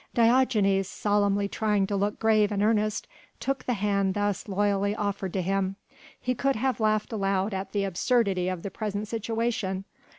Diogenes, solemnly trying to look grave and earnest, took the hand thus loyally offered to him. He could have laughed aloud at the absurdity of the present situation.